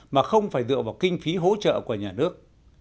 mà không phải dựa vào kinh phí hỗ trợ của nhà nước